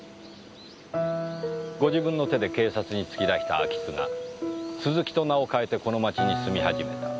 ご自分の手で警察に突き出した空き巣が鈴木と名を変えてこの町に住み始めた。